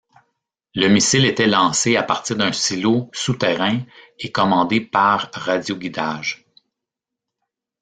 Le missile était lancé à partir d'un silo souterrain, et commandé par radioguidage.